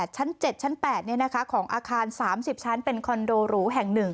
ชั้น๗ชั้น๘ของอาคาร๓๐ชั้นเป็นคอนโดหรูแห่ง๑